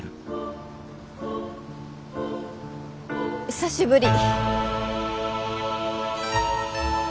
久しぶり。